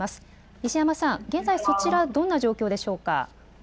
西山さん、現在そちらどんな状況でしょうか。